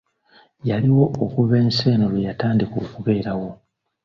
Yaliwo okuva ensi eno lweyatandika okubeerawo.